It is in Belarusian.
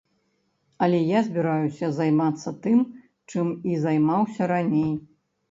Але я збіраюся займацца тым, чым і займаўся раней.